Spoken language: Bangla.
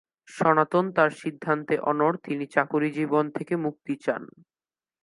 সনাতন তার সিদ্ধান্তে অনড়, তিনি চাকুরি জীবন থেকে মুক্তি চান।